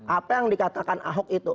apa yang dikatakan ahok itu